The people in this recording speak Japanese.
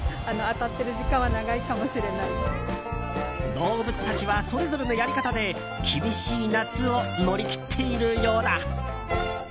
動物たちはそれぞれのやり方で厳しい夏を乗り切っているようだ。